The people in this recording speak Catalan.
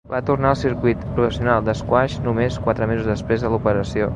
Va tornar al circuit professional d'esquaix només quatre mesos després de l'operació.